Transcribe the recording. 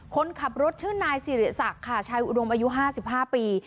คนขับรถชื่อนายศิริษักษ์ค่ะชายอุดมอายุห้าสิบห้าปี